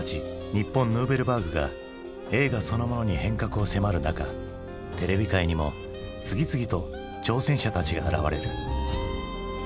日本ヌーベルバーグが映画そのものに変革を迫る中テレビ界にも次々と挑戦者たちが現れる。